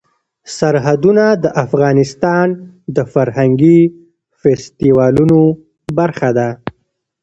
سرحدونه د افغانستان د فرهنګي فستیوالونو برخه ده.